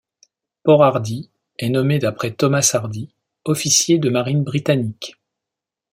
Port Hardy est nommé d'après Thomas Hardy, officier de marine britannique.